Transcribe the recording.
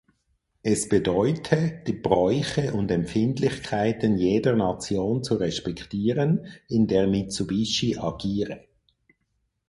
Es bedeute, die Bräuche und Empfindlichkeiten jeder Nation zu respektieren, in der Mitsubishi agiere.